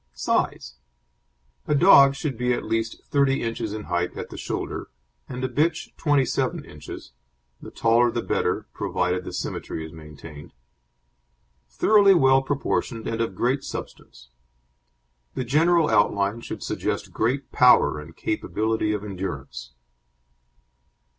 SIZE A dog should be at least 30 inches in height at the shoulder, and a bitch 27 inches (the taller the better, provided the symmetry is maintained); thoroughly well proportioned, and of great substance. The general outline should suggest great power and capability of endurance.